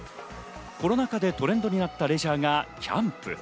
コロナ禍でトレンドになったレジャーがキャンプ。